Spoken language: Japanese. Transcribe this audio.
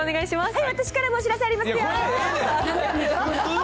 私からもお知らせありますよ。